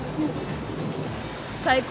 最高！